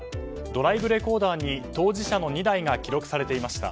ドライブレコーダーに当事者の２台が記録されていました。